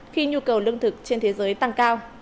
khi nhu cầu lương thực trên thế giới tăng cao